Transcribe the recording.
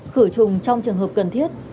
khử trùng trong trường hợp cần thiết